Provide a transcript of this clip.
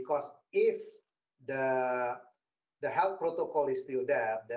karena jika protokol keselamatan